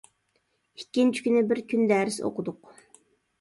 ئىككىنچى كۈنى بىر كۈن دەرس ئوقۇدۇق.